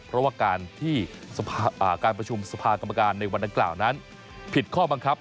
เพราะว่าการที่การประชุมสภากรรมการในวันนั้นกล่าวนั้นผิดข้อบังคับ